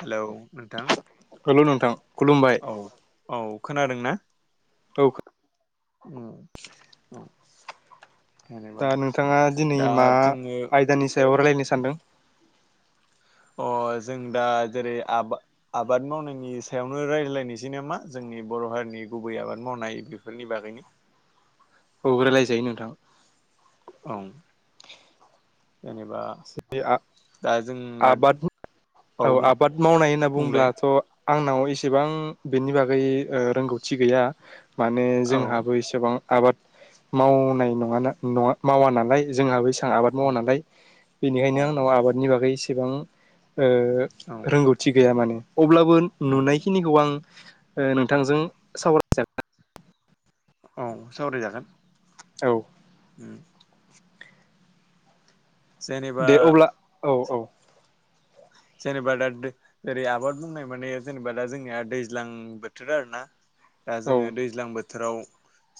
Hello नोंथां। Hello नोंथां खुलुमबाय। औ औ औ खो। ओम औ। जेनेबा दा नोंथाङा दिनै दा मा जोङो आयदानि सायाव रायलायनो सानदों। अ जों दा जेरै आ आबाद मावनायनि सायावनो रायज्लायनोसै नामा जोंनि बर' हारिनि गुबै आबाद मावनाय बेफोरनि बागैनो। औ रायलायजायो नोंथां। औ। जेनेबा बे दा जोंनिया। आबाद औ आबाद मावनाय होनना बुंलाय बुंब्लाथ'। आंनाव एसेबां बेनि बागै ओ रोंगौथि गैया। माने औ जोंहाबो एसेबां। आबाद मावनाय नङा ना नङा मावा नालाय जोंहाबो। आं आबाद औ मावा नालाय बेनिखायनो औ आंनाव आबादनि बागै सो। सेबां। ओ औ रोंगौथि गैया माने अब्लाबो औ नुनायखिनिखौ आं। ओ नोंथांजों सावराय जा। औ सावरायजागोन। औ। उम जेनेबा दे अब्ला औ औ। जेनेबा दा जेरै आबाद बुंनाय माने जेनेबा दा जोंनिया दैज्लां बोथोर आरो ना दा औ जोङो दैज्लां बोथोराव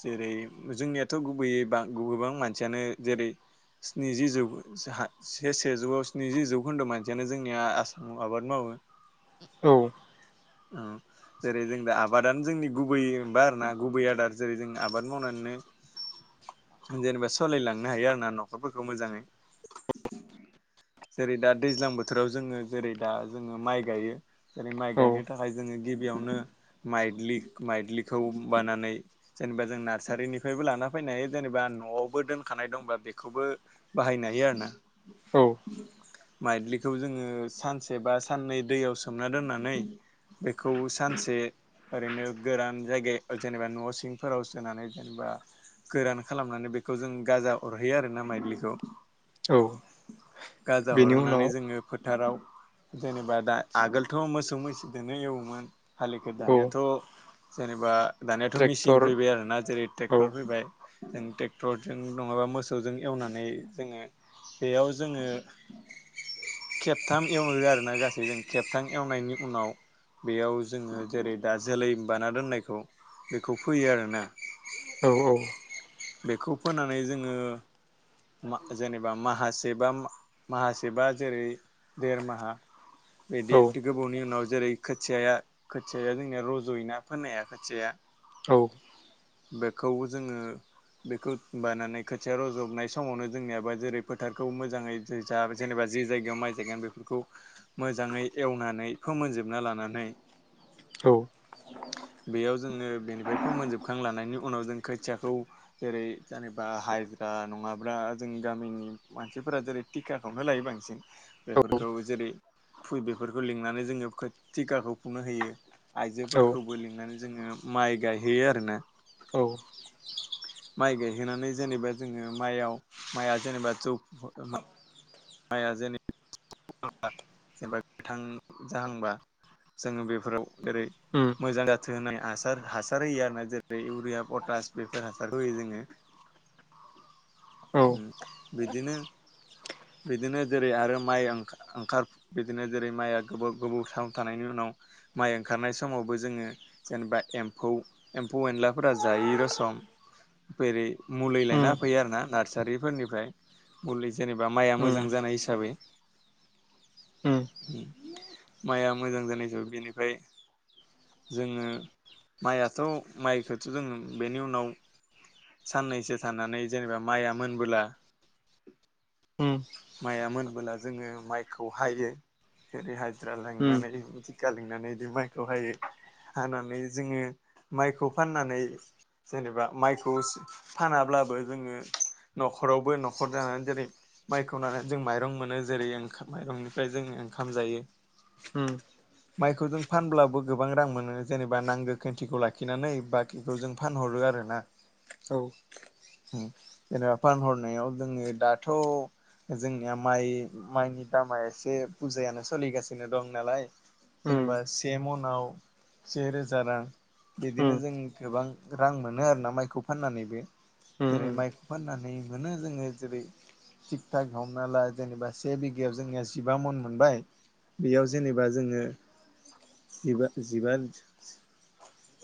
जेरै जोंनियाथ' गुबैयै बा गोबां मानसियानो जेरै स्निजि जौ से सेजौआव स्निजि जौखोन्दो मान। बिदिनो जोंनिया आसामाव आबाद मावो। औ। औ जेरै जों दा आबादानो जोंनि गुबैबा आरोना गुबै आदार जेरै जों आबाद मावनानैनो जेनेबा सालायलांनो हायो आरो ना न'खरफोरखौ मोजाङै जेरै दा दैज्लां बोथोर। बोथोराव जोङो जेरै दा जोङो माइ गायो। जेरै माइ औ गायनो थाखाय जोङो गिबियावनो माइलि। माइद्लिखौ बानानै जेनेबा जों नार्सारिनिफ्रायबो लाना फैनो हायो जेनेबा न'आवबो दोनखानाय दंबा बेखौबो बाहायनो हायो आरो ना। औ माइलि। बेखौ जोङो सानसे बा साननै दैयाव सोमना दोननानै बेखौ सानसे ओरैनो गोरान जायगायाव जेनेबा न' सिंफोराव सोनानै बा गोरान खालामनानै बेखौ जों गाजा अरहैयो आर ना माइलिखौ। औ बेनि हरनानै उनाव। जोङो फोथाराव जेनेबा दा आगोलथ' मोसौ मैसोजोनो एवोमोन हालिख औ दानायाथ' जेनेबा। दानियााथ' ट्रेक्टर मेसिन फैबाय आरोना जेरै औ ट्रेक्टर फैबाय। जों ट्रेक्टरजों नङाबा मोसौजों एवनानै जोङो बेयाव जोङो। खेबथाम एवनो आरो ना गासै जों खेबथाम एवनायनि उनाव बेयाव जोङो जेरै दा जोलै बाना दोननायखौ बेखौ फोयो आरो ना औ बेखौ फोनानै जोङो मा जेनेबा माहासेबा माहासेबा। जेरै देरमाहा बिदि औ गोबावनि उनाव जेरै खोथि खोथि जोंनिया रज'योना फोननायाया खोथिाया बेखौ जोङो बेखौ मानानै खोथिया रज'नाय समावनो जोंनियाबा जेरै फोथारखौ मोजाङै जेनेबा। जे जायगायाव माइ जायगोन बेफोरखौ मोजाङै एवनानै फोमोनजोबना लानानै औ बेयाव जोङो बेनिफ्राय फोमोनजोबखां लनि उनाव जों खोथियाखौ जेरै जेनेबा हाजिरा नङाब्ला जों गामिनि मानसिफोरा जेरै टिखााखौवनो लायो बांसि। बेफोरखौ जेरै फु बेफोरखौ लिंनानै जोङो थिखाखौ फुनो होयो औ आइजोफोरखौबो लिंनानै जोङो माइ गायहोयो आरो ना औ माइ गायहोनानै जेनेबा जोङो माइयाव माइआ जेनेबा जौ। माइआ जेनब जेनेबा गोथां जाहांबा जोङो बेफोराव जेरै उम मोजां जाथो होनाय हासार हासार होयो आरो ना जेरै इउरिया पटास बेफोर हासार होयो जोङो औ बिदिनो। बिदिनो जेरै आरो माइ ओंखार बिदिनो जेरै माइआ गोबाव गोबाव समाव थानायनि उनाव माइ ओंखारनाय समावबो जोङो जेनेबा एम्फौ एम्फौ एनलाफोरा जायै रसम जेरै मुलि उम लायना हो फैयो आरो ना नार्सारिफोरनिफ्राय मुलि जेनेबा माइआ मोजां। उम मोजां जानाय हिसाबै उम माइआ मोजां जानाय हिसाबै बेनिफ्राय जोङो माइयाथ' माइखौथ' जो बेनि उनाव साननैसो थानानै जेनेबा माइआ मोनबोला उम उम औ उम माइआ मोनबोला जोङो माइखौ हायो ओरै हाजिरा उम लनानै दिखा लिंनानै बिदि माइखौ हायो हानानै जोङो माइखौ फाननानै जेनेबा माइखौ खौ फानाब्लाबो जोङो न'खरावबो न'खर जानानै जेरै माइखौ नानानै जों माइरं मोनो जेरै ओं माइरंनिफ्राय जों ओंखाम जायो। उम। माइखौ जों फानब्लाबो गोबां रां मोनो जेनेबा नांगो खन्थिखौ लाखिनानै बाखिखौ जों फानहरो आर ना। उम जेनेबा फानहरनायाव जोङो दाथ' जोंनिया माइ माइनि दामा एसे बुजायानो सोलिगासिनो दं नालाय जेनेबा से मनाव से रोजा रां बिदिनो जों गोबां रां मोनो आरोना माइखौ फाननानैबो जेरै उम माइखौ फाननानै मोनो जोङो जेरै थिग थक हमना ला जेनेबा से बिघायाव जोंनिया जिबा मन मोनबाय बेयाव जेनेबा जोङोबा जिबा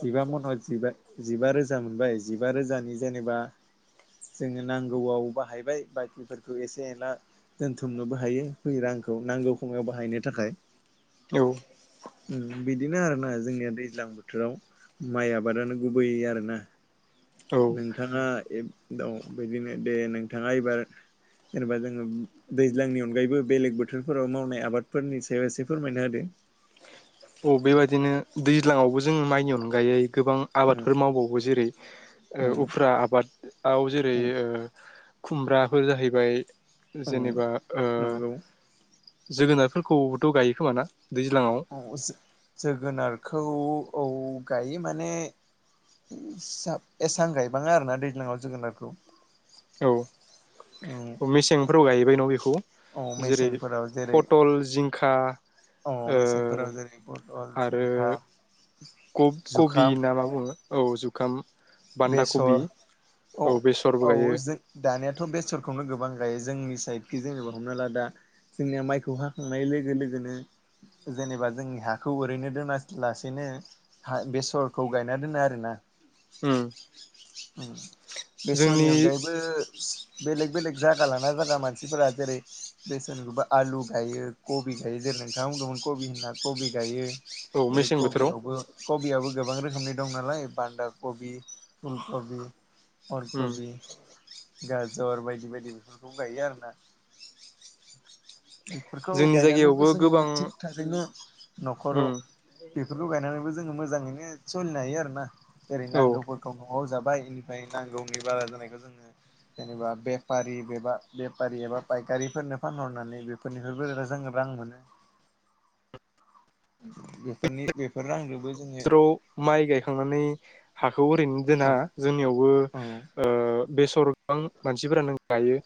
जिबा मनावबा जिबा रोजा मोनबाय जिबा रोजानि जेनेबा जोङो नांगौआव बाहायबाय बाखिफोरखौ एसे एनला दोनथुमनोबो हायो फै रांखौ नांगौ खमाव बाहायनो थाखाय। औ। बिदिनो आरो ना जोंनिया दैज्लां बोथोराव माइ आबादानो गुबैय आरोना। औ नोंथाङा दा बिदिनो दे नोंथाङा एबार जेनेबा जोङो दैज्लांनि अनगायैबो बेलेग बोथोरफोराव मावनाय आबादफोरनि सायाव एसे फोरमायना होद। बेबायदिनो दैज्लाङावबो जोङो माइनि अनगायै। गोबां उम आबादफोर मावबावो जेरै उम उफ्रा आबादाव जेरै उम खुमब्राफोर जाहैबाय। उम जेनेबा ओ। नंगौ जोगोनारफोरखौबोथ' गायो खोमाना। दैज्लाङाव। औ जोगोनारखौ औ गायो माने एसां गायबाङा आरोना दैज्लांयाव जोगोनारखौ औ। औ मेसेंफोराव गायबाय न' बेखौ औ जेरै मेसेंफोराव जेरै पथल जिंखा औ मेसेंफोराव जेरै पटल आरो। जिंखा कबि जुखाम ना मा बुङो औ जु खाम! बान्दा कबि बेसर औ बेसरबो गायो। दानियााथ' बेसरखौनो गोबां गायो जोंनि साइडखि जेनेबा हमना ला दा जोंनिया माइखौ हाखांनाय लोगो लोगोनो जेनेबा जोंनि हाखौ ओरैनो दोना लासेनो ह बेसरखौ गायना दोनो आरोना‌ उम। बेसरनि जोंनि अनगायैबो बेलेग बेलेग जाया लाना जायागा मानसिफोरा जेरै बेसेन गोबा आलु गायो कबि गायो जेरै नोंथाङा बुंदोंमोन कबि होनना कबि गायो। औ आरोै मेसें बोथोराव गबियावबो गबियावबो गोबां रोखोमनि दं नालाय बान्दा कबि फुलकबि। उम अलकबि। गाजर बायदि बायदि बेफोरखौबो गायो आरो ना। बेफोरखौ जोंनि गायनानैबो जायगायावबो जोङो गोबां थिग थारैनो उम न'खराव बेफोरखौ गायनानैबो ज जोङो मोजाङैनो सोलिनो हायो आरो ना। एरै औ नांगौबो खौ न'आव जाबाय बेनिफ्राय नांगौनि बारा जानायखौ जोङो जेनेबा बेफारिबा बेफारि एबा फायखारिफोरनो फानहरनानै बेफोरनिफ्रायबो जो रां मोनोफोरनि बेफोर रांजों बोसोराव माइ गायखांनानै हाखौ ओरैनो औ जोंहा जोंनियावबो औ ओ बेसर गोबां मानसिफोरा नो गायो।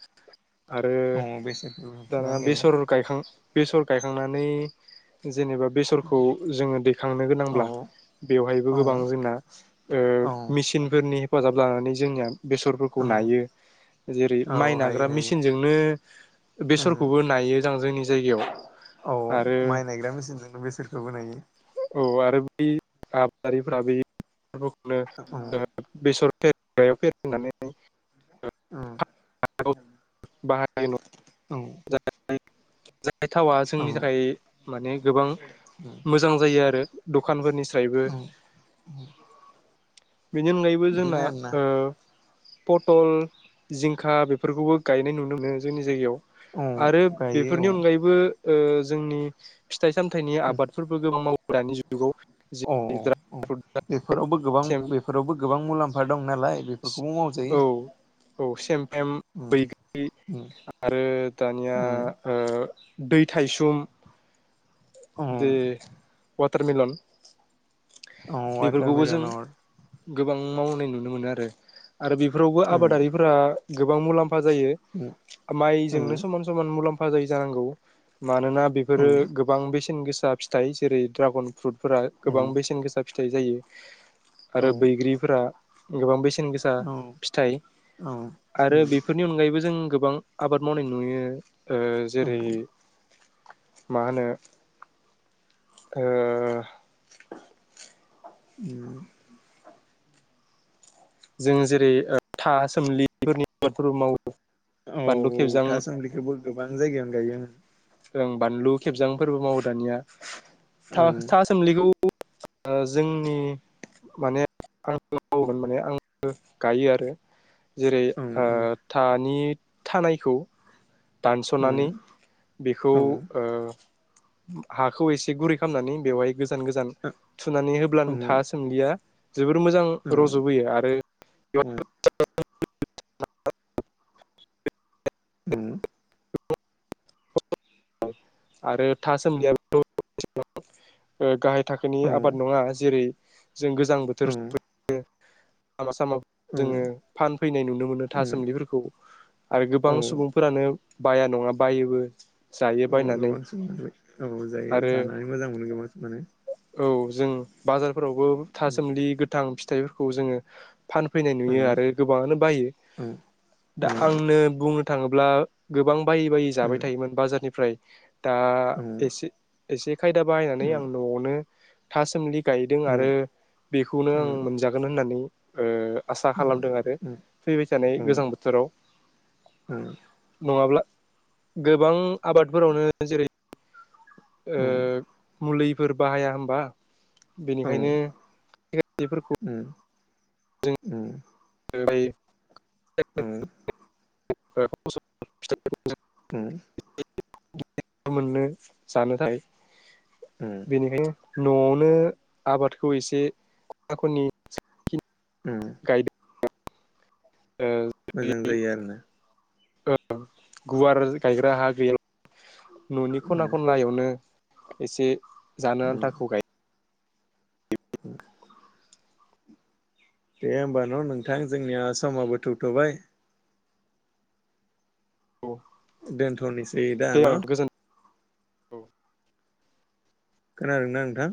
आरो औ बेसादफोर दाना बुथुमनानै गायो बेसर गायखां बेसर गायखांनानै जेनेबा बेसरखौ जोङो दैखांनो औ गोनांब्ला बेवहायबो औ गोबां जोंना औ ओ मेसिनफोरनि हेफाजाब लानानै जोंनिया बेसरफोरखौ औ नायो जेरै माइ औ हायो नाग्रा मेसिनजोंनो हायो बेसरखौबो नायो ज जोंनि जायगायाव औ आरो माइ नायग्रा मेसिनजोंनो बेसोरखौबो नायो। औ आरो बे आबादारिफोरा बेै औ [unintelligible] [unintelligible] उम। बाहायो औ। जाय थावा औ जोंनि थाखाय माने गोबां मोजां जायो आरो दखानफोरनिफ्रायबो। औ बेनि अनगायैबो जोंना बिदिनो आरोना ओ पटल जिंखा बेफोरखौबो गायनाय नुनो मोनो जोंनि जायगायाव। औ आरो गायो औ बेफोरनि अनगायैबो ओ जोंनि फिथाइ सामथाइनि आबादफोरबो गोबां माव दानि जुग औ औ औ बेफोरावबो गोबां बेफोरावबो गोबां मुलाम्फा फा दं। नालाय बेफोरखौबो मावजायो। औ औ सेम। आरो दानिया दै ओ थाइसुम बे टारमिलन बेफोरखौबो वाटारमेलन जों हर गोबां मावनाय नुनो मोनो आरो। आरो बेफोरावबो आबादारिफोरा गोबां मुलाम फा जायो माइजोंनो समान समान मुलाम फा जायो जानांगौ मानोना बेफोरो गोबां बेसे न गोसा फिथाइ जेरै ड्रागन फ्रुटफोरा गोबां बेसेन गोसा [unintelligible] जायो आरो बैग्रिफोरा गोबां बेसे न गोसा फिथाइ आरो बेफोरनि अनगायैबो जों गोबां आबाद मावनाय नुयो ओ जेरै मा होनो ओ उम जों जेरै ओ था सोमलिफोरनि मावो औ बानलु खेबजां थासुमलिखोबो गोबां जायगायावनो गायो ओं बानलु खेबजांफोरबो मावो दानिया ओं थ-था सोमलिखौ जोंनि माने [inaudible] गायो आरो जेरै गोबां ओ सुबुं थानि थानायखौ दानस'नानै बेखौ ओ हाखौ एसे गुरै खालामनानै बेवहाय गो जान गोजान थुनानै होब्लानो था सोमलिया जोबोर मोजां रज'बोयो आरो [unintelligible] ओम आरो था [unintelligible] ओ गाहाय थाखोनि आबाद नङा जेरै जों गोजां बोथोर [inaudible] फैयो लामा सामा जोङो फानफैनाय नुनो मोनो था सोमलिफोरखौ आरो गोबां सुबुंफोरानो बाया नङा बायोबो जायो औ बायनानै गोबां सम औ जायो आरो जानानै मोजां मोनो गोबां समानो औ जों बाजार फोरावबो थासोमलि गोथां फिथ फिथाइफोरखौ जोङो फानफैनाय नुयो आरो गोबाङानो बायो दा औ आंनो बु थाङोब्ला गोबां बायै बायै जाबाय थायोमोन बाजारनिफ्राय दा एसे एसे खायदा बाहायनानै आं न'आवनो थासमलि गायदों आरो बेखौनो आं मोनजागोन होननानै ओ आसा खालामदों आरो फैबाय थानाय गोजां बोथोराव नङाब्ला गोबां आबाद बेफोरावनो जेरै ओ मुलि फोर बाहाया होमबा बेनिखायनो [unintelligible] फोरखौ ओं बै उम [unintelligible] [unintelligible] मोननो जानोथाय बेनिखायनो न'आवनो आबादखौ एसे खना खनि उम गायदों मोजां जायो आरो ना गुवार गायग्रा हा गैयाला न'नि खना खनलायावनो एसे जानो दे आन्थाखौ गायो [inaudible] दे होमब न' नोंथां जोंनिया समाबो थौथ'बाय गायनांगौ दोनथ'निस जै द न औ खोनादोंना नोंथां?